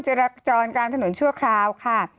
จราจรกลางถนนชั่วคราวค่ะ